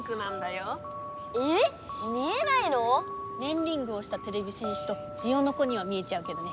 ⁉見えないの⁉ねんリングをしたてれび戦士とジオノコには見えちゃうけどね。